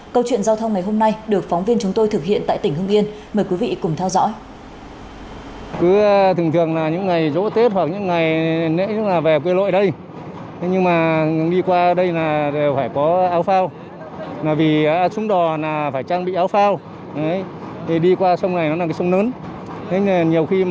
câu chuyện giao thông ngày hôm nay được phóng viên chúng tôi thực hiện tại tỉnh hưng yên mời quý vị cùng theo dõi